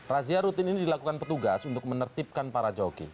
razia rutin ini dilakukan petugas untuk menertibkan para joki